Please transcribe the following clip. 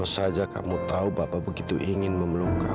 saya gak tau sopan cantur